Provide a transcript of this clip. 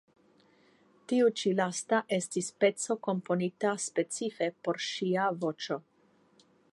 Tiu ĉi lasta estis peco komponita specife por ŝia voĉo.